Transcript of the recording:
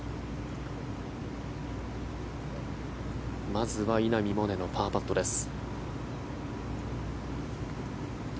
まずは稲見萌寧のパーパットです。